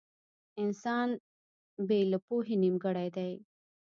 • انسان بې له پوهې نيمګړی دی.